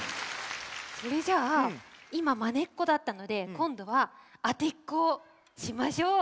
それじゃあいまマネっこだったのでこんどはあてっこをしましょう。